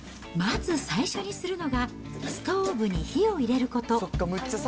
まず最初にするのが、ストーブに火を入れること。